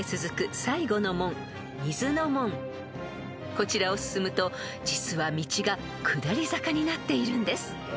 ［こちらを進むと実は道が下り坂になっているんです］